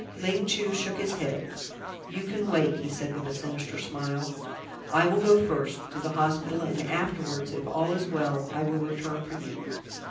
Ling Chu shook his head. "You can wait," he said with a sinister smile. "I will go first to the hospital and afterwards, if all is well, I will return for you."